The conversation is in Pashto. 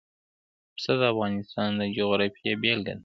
پسه د افغانستان د جغرافیې بېلګه ده.